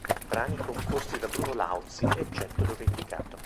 Brani composti da Bruno Lauzi, eccetto dove indicato.